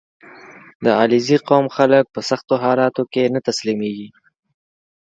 • د علیزي قوم خلک په سختو حالاتو کې نه تسلیمېږي.